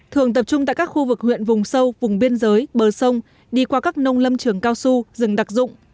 thường tập trung tại các khu vực huyện vùng sâu vùng biên giới bờ sông đi qua các nông lâm trường cao su rừng đặc dụng